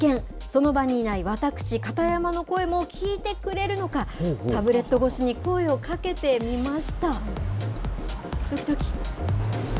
その場にいない私、片山の声も聞いてくれるのか、タブレット越しに声をかけてみました。